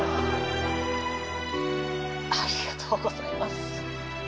ありがとうございます。